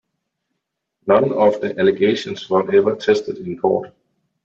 None of the allegations were ever tested in court.